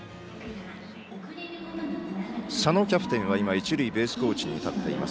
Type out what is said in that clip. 佐野キャプテンは今、一塁ベースコーチに立っています。